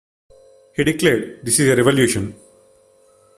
He declared: This is a revolution.